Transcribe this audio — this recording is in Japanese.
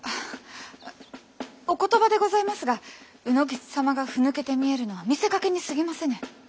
お言葉でございますが卯之吉様が腑抜けて見えるのは見せかけにすぎませぬ。